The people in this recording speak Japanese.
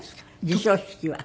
授章式は。